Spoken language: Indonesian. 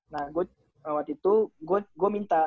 nah gue waktu itu gue minta